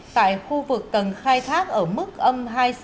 tại khu vực cần khai thác ở mức âm hai trăm sáu mươi